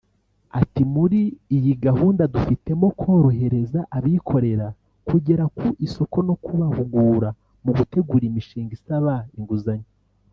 Ati “Muri iyi gahunda dufitemo korohereza abikorera kugera ku isoko no kubahugura mu gutegura imishinga isaba inguzanyo